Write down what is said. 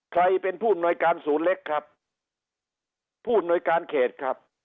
ใครเป็นผู้อำนวยการศูนย์เล็กครับผู้อำนวยการเขตครับ